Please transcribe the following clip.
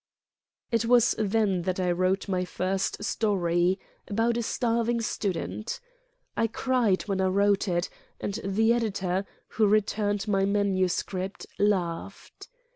vi Preface "It was then that I wrote my first story about a starving student. I cried when I wrote it, and the editor, who returned my manuscript, laughed.